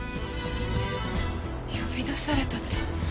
呼び出されたって。